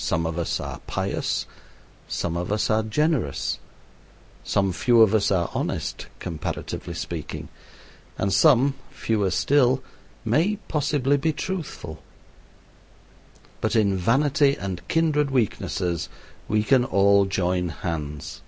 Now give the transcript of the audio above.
Some of us are pious, some of us are generous. Some few of us are honest, comparatively speaking; and some, fewer still, may possibly be truthful. But in vanity and kindred weaknesses we can all join hands.